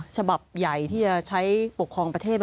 ฉบับใหญ่ที่จะใช้ปกครองประเทศ